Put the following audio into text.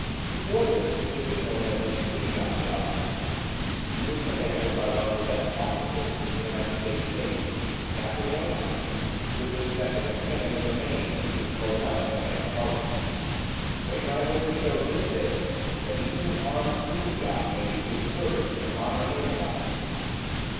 Before this she had been known as the steam yacht "Gloucester." She was commanded by one of the best officers of the United States Navy, Captain Wainwright, who had been second in command of the "Maine" when she was blown up in Havana harbour. Wainwright was to show this day that even an armed steam yacht may do good service in a modern naval action.